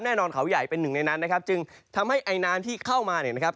แน่นอนเขาใหญ่เป็นหนึ่งในนั้นนะครับจึงทำให้ไอน้ำที่เข้ามาเนี่ยนะครับ